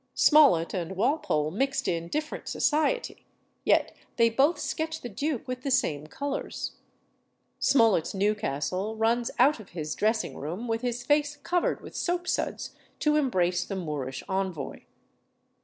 Smollett and Walpole mixed in different society, yet they both sketch the duke with the same colours. Smollett's Newcastle runs out of his dressing room with his face covered with soapsuds to embrace the Moorish envoy.